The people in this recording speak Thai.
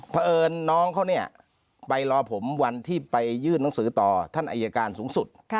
เพราะเอิญน้องเขาเนี่ยไปรอผมวันที่ไปยื่นหนังสือต่อท่านอายการสูงสุด